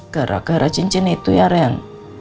gara gara cincin itu ya reang